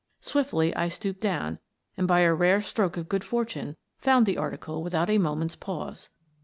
Swiftly I stooped down and, by a rare stroke of good fortune, found the article without a moment's pause.